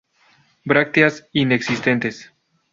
Brácteas inexistentes.